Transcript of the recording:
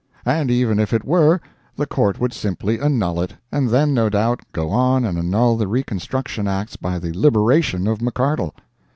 And even if it were, the Court would simply annul it, and then, no doubt, go on and annul the Reconstruction Acts by the liberation of McCardle.